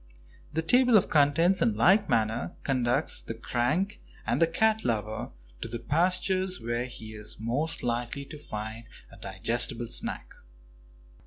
The table of contents, in like manner, conducts the crank and the cat lover to the pastures where he is most likely to find a digestible snack.